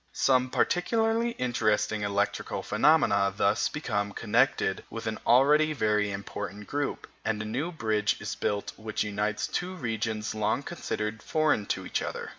Some particularly interesting electrical phenomena thus become connected with an already very important group, and a new bridge is built which unites two regions long considered foreign to each other.